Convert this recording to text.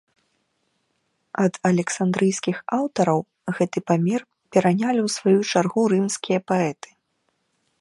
Ад александрыйскіх аўтараў гэты памер перанялі ў сваю чаргу рымскія паэты.